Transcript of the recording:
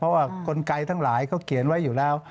เพราะว่ากลไกทั้งหลายเขาเขียนไว้อยู่แล้ว